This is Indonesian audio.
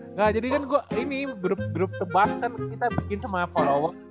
nah jadi kan gue ini berutuh bahas kan kita bikin sama followers